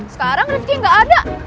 sekarang rifki gak ada